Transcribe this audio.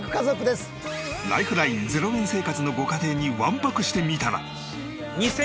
ライフライン０円生活のご家庭に１泊してみたら。